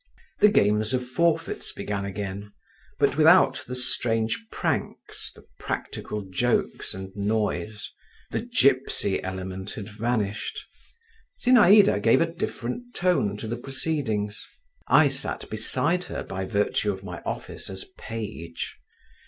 The games of forfeits began again, but without the strange pranks, the practical jokes and noise—the gipsy element had vanished. Zinaïda gave a different tone to the proceedings. I sat beside her by virtue of my office as page.